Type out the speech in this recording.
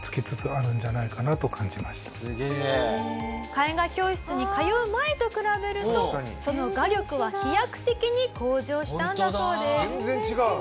「絵画教室に通う前と比べるとその画力は飛躍的に向上したんだそうです」